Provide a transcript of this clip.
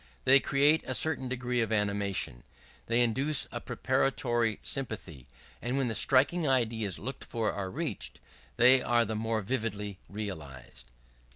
They create a certain degree of animation; they induce a preparatory sympathy, and when the striking ideas looked for are reached, they are the more vividly realized.